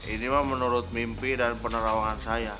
ini mah menurut mimpi dan penerawangan saya